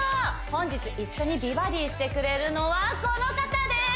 本日一緒に美バディしてくれるのはこの方です！